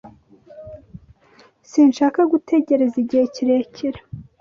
Sinshaka gutegereza igihe kirekire.